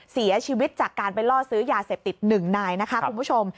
เสียชีวิตจากการไปล่อซื้อยาเสพติด๑นายนะคะคุณผู้ชม